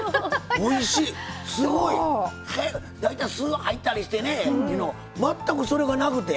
すごい！大体すが入ったりしてねっていうの全くそれがなくて。